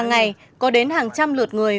hàng ngày có đến hàng trăm lượt người